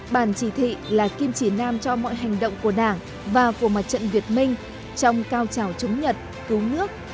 bản chỉ thị là kim chỉ nam cho mọi hành động của đảng và của mặt trận việt minh trong cao trào chống nhật cứu nước